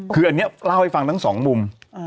คืออันนี้เล่าให้ฟังทั้งสองมุม